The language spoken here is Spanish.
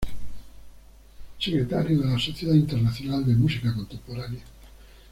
Secretario de la Sociedad Internacional de la Música Contemporánea.